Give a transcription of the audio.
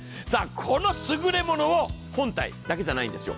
この優れものを本体だけじゃないんですよ。